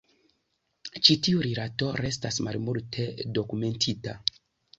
Ĉi tiu rilato restas malmulte dokumentita.